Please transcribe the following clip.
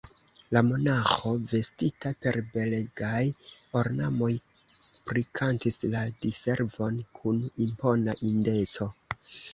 La monaĥo, vestita per belegaj ornamoj, prikantis la Diservon kun impona indeco.